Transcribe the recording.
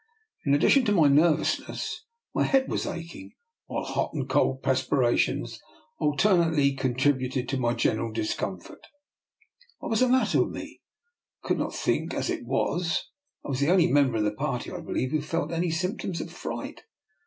In addition to my nervousness, my head was aching, while hot and cold perspirations alternately con tributed to my general discomfort. What was the matter with me I could not think. As it was, I was the only member of the party, I believe, who felt any symptoms of fright.